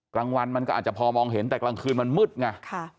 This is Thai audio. กลางวันมันก็อาจจะพอมองเห็นแต่กลางคืนมันมืดไง